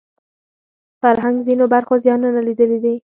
فرهنګ ځینو برخو زیانونه لیدلي دي